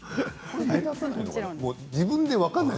自分じゃ分からない。